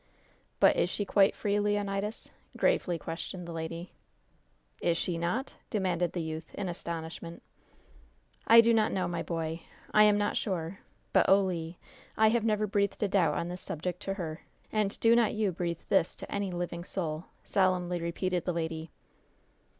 "But is she quite free, Leonidas?" gravely questioned the lady. "Is she not?" demanded the youth, in astonishment. "I do not know, my boy! I am not sure! But oh, Le! I have never breathed a doubt on this subject to her! And do not you breathe this to any living soul!" solemnly replied the lady.